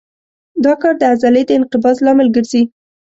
دا کار د عضلې د انقباض لامل ګرځي.